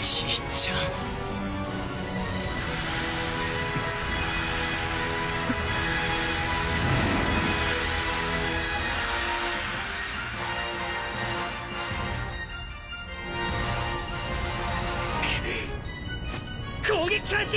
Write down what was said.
じいちゃん攻撃開始！